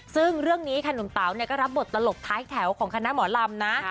ซึ่งเรื่องนี้ค่ะหนุ่มเต๋าก็รับบทตลกท้ายแถวของคณะหมอลำนะ